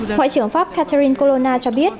ngoại trưởng pháp catherine colonna cho biết